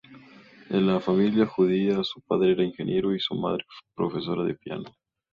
De familia judía, su padre era ingeniero y su madre profesora de piano.